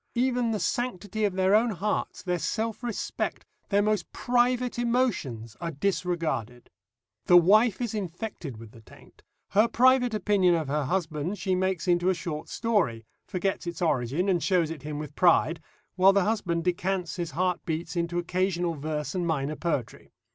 Even the sanctity of their own hearts, their self respect, their most private emotions are disregarded. The wife is infected with the taint. Her private opinion of her husband she makes into a short story forgets its origin and shows it him with pride while the husband decants his heart beats into occasional verse and minor poetry.